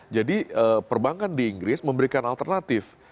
jadi perbankan di inggris memberikan alternatif